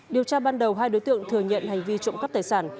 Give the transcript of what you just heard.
điều tra ban đầu hai đối tượng thừa nhận hành vi trộm cắp tài sản